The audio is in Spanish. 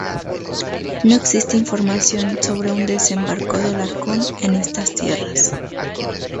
No existe información sobre un desembarco de Alarcón en esas tierras.